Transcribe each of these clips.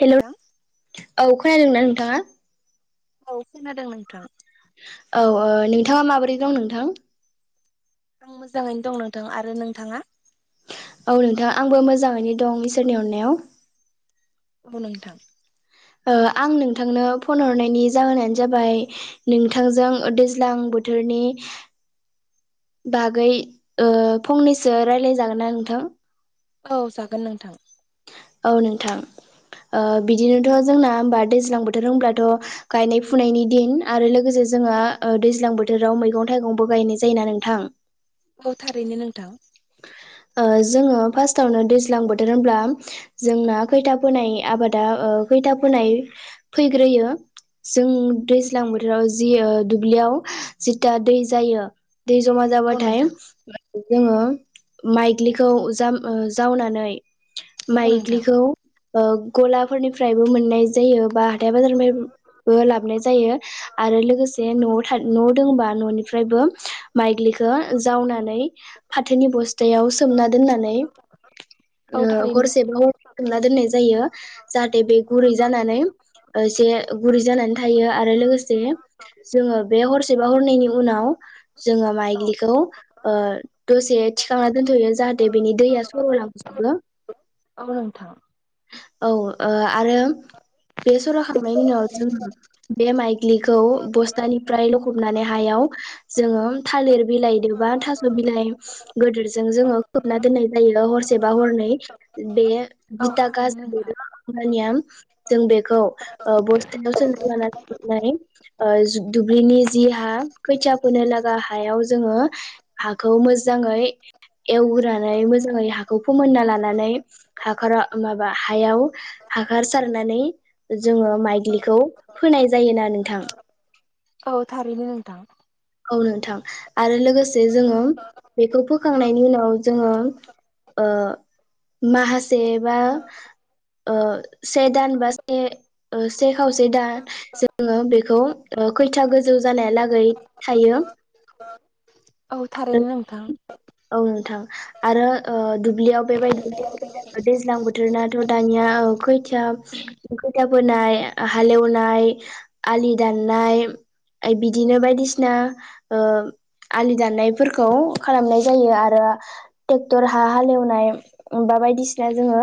हेल' नोंथां औ खोनादोंना नोंथाङा औ खोनादों नोंथां औ नोंथाङा माबोरै दं नोंथां आं मोजाङैनो दं नोंथां आरो नोंथाङा औ नोंथां आंबो मोजाङैनो दं इसोरनि अननायाव औ नोंथां आं नोंथांनो फन हरनायनि जाहोनानो जाबाय नोंथांजों दैज्लां बोथोरनि बागै फंनैसो रायज्लाय जागोन ना नोंथां औ जागोन नोंथां औ नोंथां बिदिनोथ' जोंना हबा दैज्लां बोथोर होनब्लाथ' गायनाय फुनायनि दिन आरो लोगोसे जोंङहा दैज्लां बोथोराव मैगं थाइगंबो गायनाय जायो ना नोंथां औ थारैनो नोंथां ओ जोङो फार्स्टआवनो दैज्लां बोथोर होनब्ला जोंना खैथा फोनाय आबादा ओ खैथा फोनाय फैग्रोयो जों दैज्लां बोथोराव जि ओ दुब्लियाव जिथा दै जायो दै जमा औ जाबाथाय नोंथां जोङो माइग्लिखौ जाम ओ जावनानै औ नोंथां माइग्लिखौ ओ गलाफोरनिफ्रायबो मोननाय जायो बा हाथथाय बाजारनिबो लाबाय जायो आरो लोगोसे न'आव था न' दंबा न'निफ्रायबो माइग्लिखौ जावनानै फिनि बस्थायाव सोमना दोननानै औ थारैनो हरसेबा हर थोंना दोननाय जायो जाहाथे बे गुरै जानानैसे गुरै जानानै थायो आरो लोगोसे जोङो बे हरसेबा हरैनायनि उनाव जोङो औ माइग्लिखौ दसे थिखांना दोनथ'यो जाहाथे बिनि दैया सर' लाबोजोबो औ नोंथां औ आरो बे सर'खांनायनि उनाव जों बे माइग्लिखौ बस्थानिफ्राय लखबनानै हायाव जोङो थालिर बिलाइदोंबा थास' बिलाइ गेदोरजों जोङो खोबना दोननाय जायो हरसेबा हरनै बे औ बिथा गाज थारैनो नोंथां [unintelligible] जों बेखौ ओ बस्थायाव सोना ला [unintelligible] नानै ओ जु दुब्लिनि जि हा खैथिया फोनो लागा हायाव जोङो हाखौ मोजाङै एवग्रोनानै मोजाङै हाखौ फोमोनना लानानै हाखरा माबा हायाव हाखार सारनानै जोङो माइग्लिखौ फोनाय जायोना नोंथां। औ थारैनो नोंथां। औ नोंथां आरो लोगोसे जोङो बेखौ फोखांनायनि उनाव जोङो ओ माहासे बा ओ से दान बा से ओ से खावसे दा जोङो बेखौ ओ खैथा गोजौ जानायालागै हायो औ थारैनो नोंथां। औ नोंथां आरो ओ दुब्लियाव बेबायदि दैज्लां बोथोरनाथ' दानिया खैथिया खोथा बोनाय हालेवनाय आलि दाननाय [unintelligible] बिदिनो बायदिसिना ओ आलि दाननायफोरखौ खालामनाय जायो आरो ट्रेक्टर हा हालेवनाय बा बायदिसिना जोङो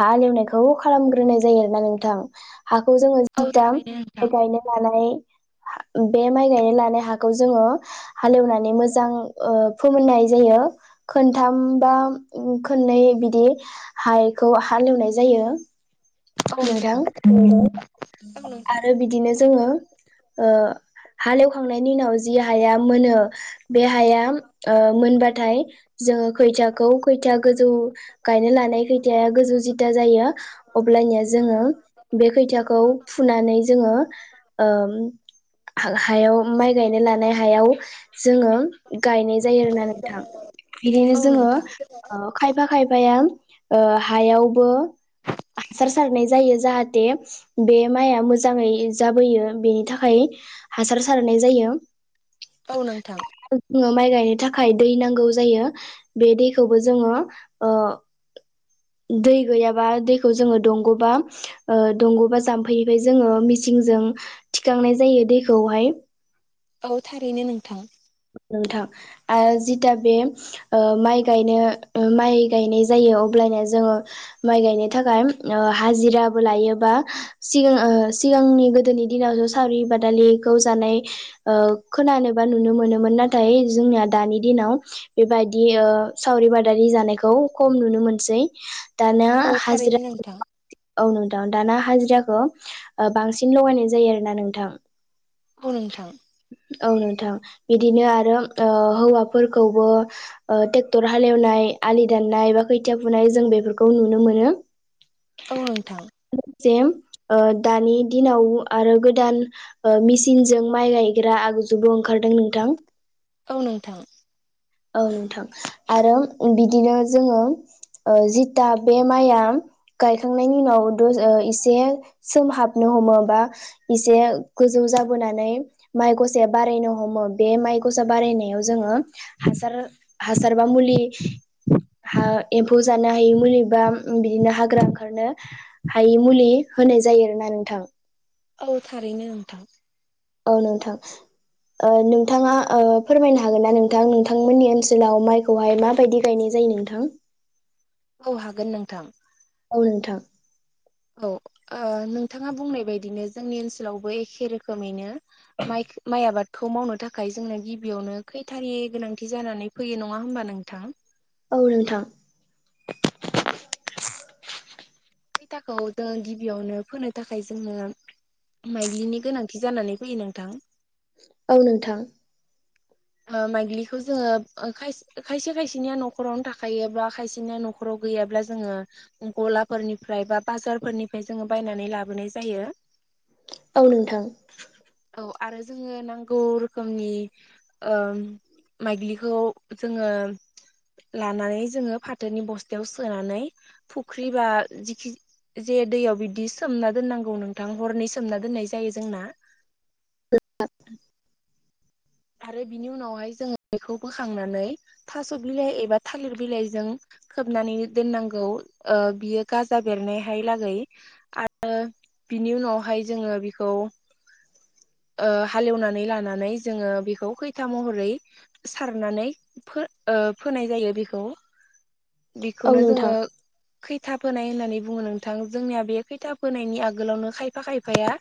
हालेवनायखौ खालामग्रोनाय जायो आरोना नोंथां। हाखौ जोङो जि औ थारैनो नोंथां [unintelligible] गायनो लानाय बे माइ गायनाय लानाय हाखौ जोङो हालेवनानै मोजां ओ फोमोननाय जायो। खोनथामबा खोननै बिदि हायखौ हालेवनाय जायो। औ नोंथां। [unintelligible] नोंथां आरो बिदिनो जोङो ओ हालेवखांनायनि उनाव जि हाया मोनो बे हाया ओ मोनबाथाय जोङो खैथा खौ खोथिया गोजौ गायनो लानाय खोथिया गोजौ जिदा जायो अबब्लानिया जोङो बे खोथियाखौ फुनानै जोङो ओम हा हायाव माइ गायनो लानाय हायाव जोङो गायनाय जायो आरोना नोंथां। बिदिनो औ जोङो नोंथां आ खायफा खायफाया ओ हायावबो हासार सारनाय जायो जाहाथे बे माइआ मोजाङै जाबोयो बेनि थाखाय हासार सारनाय जायो। औ नोंथां। जोङो माइ गायनो थाखाय दै नांगौ जायो बे दैखौबो जोङो ओ दै गैयाबा दैखौ जोङो दंग'बा ओ दंग'बा जाम बेनिफाय जोङो मिसिंजों थिखांनाय जायो दैखौहाय। औ थारैनो नोंथां। नोंथां आरो जिथा बे ओ माइ गायनो ओ माइ गायनाय जायो अब्लानो जोङो माइ गायनो थाखाय ओ हाजिराबो लायो बा सिगां ओ सिगांनि गोदोनि दिनाव ज' सावरि बादालिखौ जानाय ओ खोनानोबा नुनो मोनोमोन नाथाय जोंनिया दानि दिनाव बेबायदि ओ सावरि बादारि जानायखौ खम नुनो मोनसै। दाना औ थारैनो हाजिरा नोंथां [unintelligible] औ नोंथां दाना हाजिराखौ बांसिन लगायनाय जायो आरो ना नोंथां। औ नोंथां। औ नोंथां बिदिनो आरो ओ हौवाफोरखौबो ओ ट्रेक्टर हालेवनाय आलि दाननाय बा खोथिया फुनाय जों बेफोरखौ नुनो मोनो। औ नोंथां। [unintelligible] ओ दानि दिनाव आरो गोदान ओ मिसिनजों माइ गायग्रा आग जुबो ओंखारदों नोंथां। औ नोंथां। औ नोंथां आरो बिदिनो जोङो जिथा बे माइआ गायखांनायनि उनाव इसे सोम हाबनो हमो बा एसे गोजौ जाबोनानै माइ गसाया बारायनो हमो बे माय गसा बारायनायाव जोङो हासार हासार बा मुलि हा एम्फौ जानो हायि मुलि बा बिदिनो हाग्रा ओंखारनो हायि मुलि होनाय जायो आरोना नोंथां। औ थारैनो नोंथां। औ नोंथां। ओ नोंथाङा ओ फोरमायनो हागोन ना नोंथां नोंथांमोननि ओनसोलाव माइ खौहाय माबायदि गायनाय जायो नोंथां। औ हागोन नोंथां। औ नोथां। औ ओ नोंथाङा बुंनाय बायदिनो जोंनि ओनसोलावबो एखे रोखोमैनो माइख माइ आबादखौ मावनो थाखाय जोंनो गिबियावनो खैथारि गोनांथि जानानै फैयो नङा होमबा नोंथां। औ नोंथां। [inaudible] खैथाखौ जों गिबियावनो फोनो थाखाय जोङो माइग्लिनि गोनांथि जानानै फैयो नोंथां। औ नोंथां। माइग्लिखौ जोङो खायसे खायसेनिया न'खरावनो थाखायोबा खायसेनिया न'ख खराव गैयाब्ला जोङो गलाफोरनिफ्राय बा बाजारफोरनिफ्राय जोङो बायनानै लाबोनाय जायो। औ नोंथां। औ आरो जोङो नांगौ रोखोमनि ओ माइग्लिखौ जोङो लानानै जोङो फाथोनि बस्थायाव सोनानै फुख्रि बा जिखि जे दैयाव बिदि सोमना दोननांगौ नोंथां हरनै सोमना दोननाय जायो जोंना। [inaudible] आरो बिनि उनावहाय जोङो बेखौ बोखांनानै थास' बिलाइ एबा थालिर बिलाइजों खोबनानै दोननांगौ ओ बियो गाजा बेरनायहाय लागै आरो बिनि उनावहाय जोङो बेखौ ओ हालेवनानै लानानै जोङो बेखौ खैथा महरै सारनानै ओ फोनाय जायो बेखौ औ बेखौनो जोङो नोंथां खैथा फोनाय होननानै बुङो नोंथां जोंनिया बे खैथा फोनायनि आगोलावनो खायफा खायफाया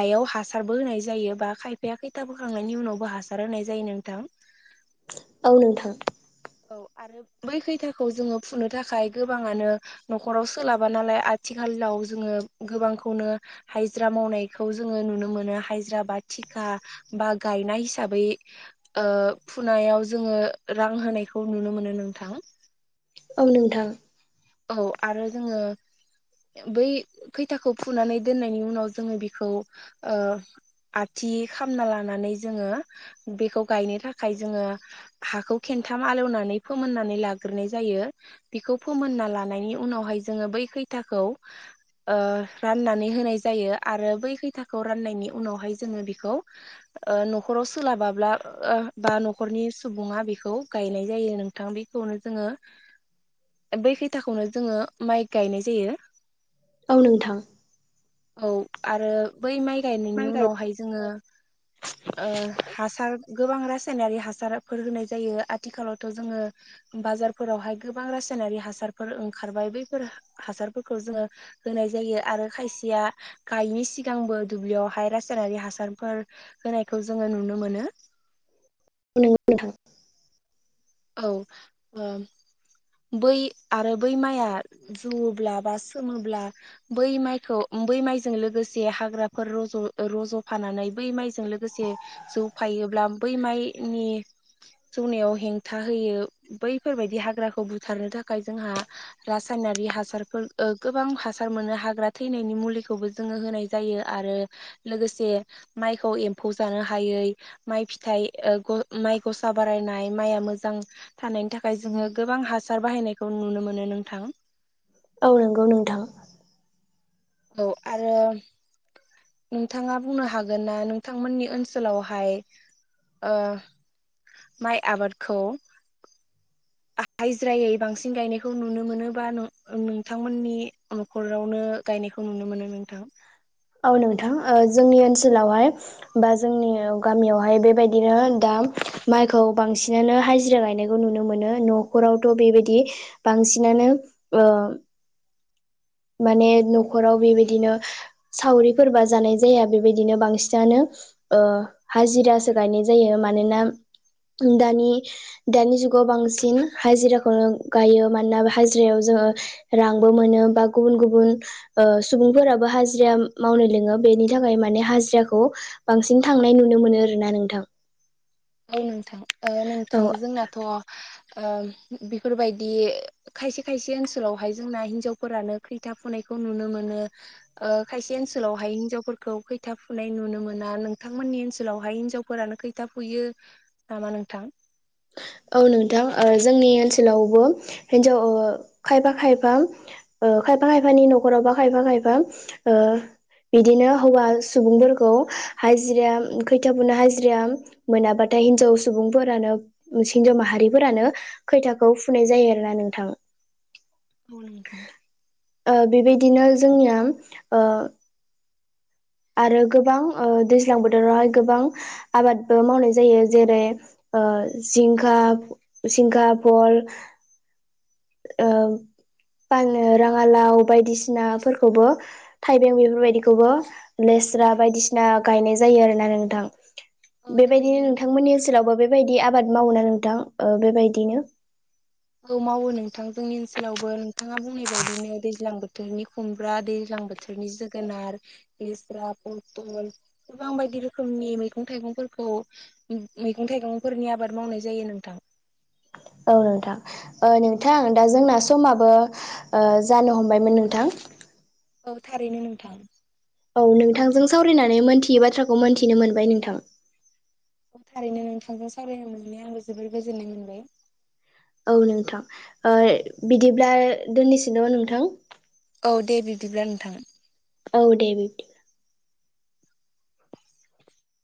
हायाव हासारबो होनाय जायो बा खायफाया खैथा बोखांनायनि उनावबो हासार होनाय जायो नोंथां। औ नोंथां। औ आरो बै खैथाखौ जोङो फुनो थाखाय गोबाङानो न'खराव सोलाबा नालाय आथिखालाव जोङो गोबांखौनो हायज्रा मावनायखौ जोङो नुनो मोनो हायज्रा बा थिखा बा गायनाय हिसाबै ओ फुनायाव जोङो रां होनाय खौ नुनो मोनो नोंथां। औ नोंथां। औ आरो जोङो बै खैथाखौ फुनानै दोननायनि उनाव जोङो बेखौ ओ आथि खामना लानानै जोङो बेखौ गायनो थाखाय जोङो हाखौ खेन्थाम आलौनानै फोमोननानै लाग्रोनाय जायो बेखौ फोमोननानै लानायनि उनावहाय जोङो बै खैथाखौ ओ राननानै होनाय जायो आरो बै खैथाखौ राननायनि उनावहाय जोङो बेखौ न'खराव सोलाबाब्ला बा न'खरनि सुबुङा बेखौ गायनाय जायो नों थां बेखौनो जोङो [inaudible] बै खैथाखौनो जोङो माइ गायनाय जायो। औ नोंथां। औ आरो बै माइ गायनायनि उनावहाय जोङो ओ हासार गोबां रासायनारि हासारफोर होनाय जायो आथिखालावथ' जोङो बाजारफोरावहाय गोबां रासायनारि हासार फोर ओंखारबाय बैफोर हासारफोरखौ जोङो होनाय जायो आरो खायसेया गायैनि सिगांबो दुब्लियावहाय रासायनारि हासारफोर होनायखौ जोङो नुनो मोनो। नंगौ नोंथां। औ ओ बै आरो बै माइआ जुवोला बा सोमोब्ला बै माइखौ बै माइजों लोगोसे हाग्राफोर रज' रज'फानानै बै माइजों लोगोसे जौ फायोब्ला बै माइनि जौनायाव हें था होयो बैफोरबायदि हाग्राखौ बुथारनो थाखाय जोंहा रासायनारि हासारफोर गोबां हासार मोनो हाग्रा थैनायनि मुलिखौबो जोङो होनाय जायो आरो लोगोसे माइखौ एम्फौ जानो हायै माइ फिथाइ माइ गसा बारायनाय माइआ मोजां मोजां थानायनि थाखाय जोङो गोबां हासार बाहायनायखौ नुनो मोनो नोंथां। औ नोंगौ नोंथां। औ आरो नोंथाङा बुंनो हागोन ना नोंथांमोननि ओनसोलावहाय ओ माइ आबादखौ हायजिरायै बांसिन गायनायखौ नुनो मोनोबा नोंथांमोननि हरावनो गायनायखौ नुनो मोनो नोंथां। औ नोंथां ओ जोंनि ओनसोलावहाय बा जोंनि गामियावहाय बेबायदिनो दा माइखौ बांसिनानो हाजिरा गायनाय नुनो मोनो न'खरावथ' बेबायदि बांसिनानो ओ माने न'खराव बेबायदिनो सावरिफोरबा जानाय जाया बेबायदिनो बांसिनानो ओ हाजिरासो गायनाय जायो मानोना दानि दानि जुगाव बांसिन हाजिराखौनो गायो मानोना हाजिरायाव जोङो रांबो मोनो बा गुबुन गुबुन सुबुंफोराबो हाजिरा मावनो लोङो बेनि थाखाय माने हाजिराखौ बांसिन थांनाय नुनो मोनो आरोना नोंथां औ नोंथां औ नोंथां जोंनाथ' बेफोरबायदि खायसे खायसे ओनसोलावहाय जोंना हिनजावफोरानो खैथा फुनायखौ नुनो मोनो ओ खायसे ओनसोलावहाय हिनजावफोरखौ खैथा फुनाय नुनो मोना नोंथांमोननि ओनसोलावहाय हिनजाव फोरानो खैथा फुयो नामा नोंथां? औ नोंथां जोंनि ओनसोलावबो हिनजाव खायफा खायफा ओ खायफा खायफानि न'खरावबा खायफा खायफा ओ बिदिनो हौवा सुबुंफोरखौ हाजिरा खैथिया फुनो हाजिराया मोनाबाथाय हिनजाव सुबुंफोरानो हिनजाव माहारिफोरानो खैथाखौ फुनाय जायो आरो ना नोंथां। [unintelligible] ओ बेबायदिनो जोंनिया ओ आरो गोबां ओ दैज्लां बोथोरावहाय गोबां आबादबो मावनाय जायो जेरै ओ जिंखा जिंखा भल ओ पानि पटल राङालाव लेस्रा बायदिसिनाफोरखौबो थाइबें बेफोरबायदिखौबो लेस्रा बायदिसिना गायनाय जायो आरो ना नोंथां औ थारैनो बेबायदिनो नोंथां नोंथांमोननि ओनसोलावबो बे बेबायदि आबाद मावो ना नोंथां ओ बेबायदिनो औ मावो नोंथां जोंनि ओनसोलावबो नोंथाङा बुंनाय बायदिनो दैज्लां बोथोरनि खुमब्रा दैज्लां बोथोर नि जोगोनार लेस्रा पथल गोबां बायदि रोखोमनि मैगं थाइगंफोरखौ मैगं थाइगंफोरनि आबाद मावनाय जायो नोंथां औ नोंथां ओ नोंथां दा जोंना समाबो जानो हमबायमोन नोंथां औ थारैनो नोंथां औ नोंथांजों सावरायनानै मोनथियै बाथ्राखौ मोनथिनो मोनबाय नोंथां थारैनो नोंथांजों सावरायनो मोननानै आंबो जोबोर गोजोननाय मोनबाय औ नोंथां ओ बिदिब्ला दोननोसै न नोंथां औ दे बिदिब्ला नोंथां औ दे बिब्दि